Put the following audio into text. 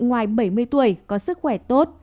ngoài bảy mươi tuổi có sức khỏe tốt